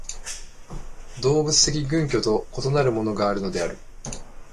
動物的群居と異なるものがあるのである。